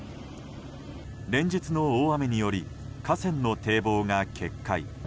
連日の大雨により河川の堤防が決壊。